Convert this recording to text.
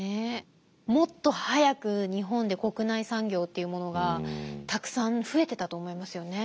もっと早く日本で国内産業っていうものがたくさん増えてたと思いますよね。